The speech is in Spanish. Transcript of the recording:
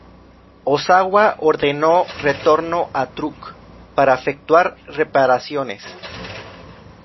Ozawa ordenó retorno a Truk para efectuar reparaciones.